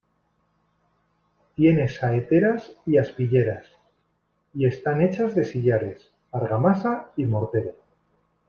Tienen saeteras y aspilleras, y están hechas de sillares, argamasa y mortero.